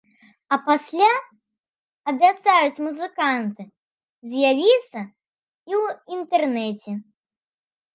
А пасля, абяцаюць музыканты, з'явіцца і ў інтэрнэце.